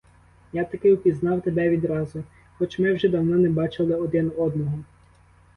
Я таки впізнав тебе відразу, хоч ми вже давно не бачили один одного.